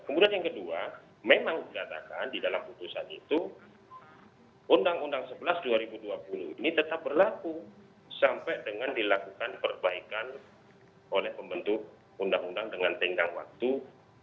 kemudian yang kedua memang dikatakan di dalam putusan itu undang undang sebelas dua ribu dua puluh ini tetap berlaku sampai dengan dilakukan perbaikan oleh pembentuk undang undang dengan tenggang waktu